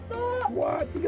oke satu dua tiga